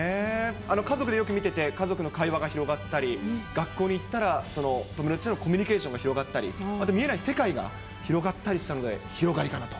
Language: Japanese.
家族でよく見てて、家族の会話が広がったり、学校に行ったら、そのもちろんコミュニケーションが広がったり、あと見えない世界が広がったりしたので、広がりかなと。